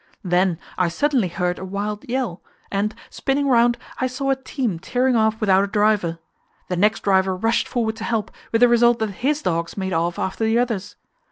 Then I suddenly heard a wild yell, and, spinning round, I saw a team tearing off without a driver. The next driver rushed forward to help, with the result that his dogs made off after the others.